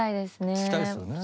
聴きたいですよねえ。